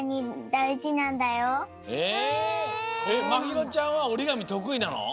まひろちゃんはおりがみとくいなの？